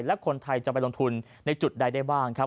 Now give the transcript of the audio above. และคนไทยจะไปลงทุนในจุดใดได้บ้างครับ